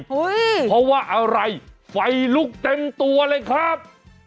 เพราะว่าอะไรไฟลุกเต็มตัวเลยครับ